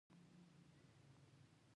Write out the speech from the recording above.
آیا د کاغذ دستمال تولیدوو؟